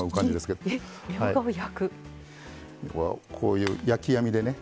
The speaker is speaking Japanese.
こういう焼き網でね。